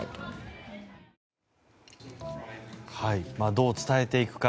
どう伝えていくか